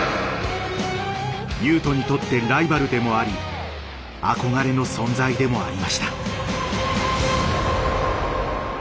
雄斗にとってライバルでもあり憧れの存在でもありました。